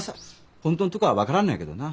ほんとんとこは分からんのやけどな。